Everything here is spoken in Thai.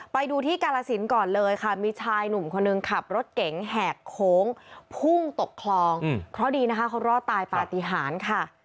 ไปดูที่กาลสินก่อนเลยค่ะมีชายหนุ่มคนหนึ่งขับรถเก๋งแหกโค้งพุ่งตกคลองเพราะดีนะคะเขารอดตายปฏิหารค่ะ